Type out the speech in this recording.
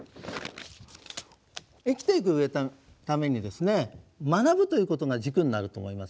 生きていくためにですね学ぶということが軸になると思います。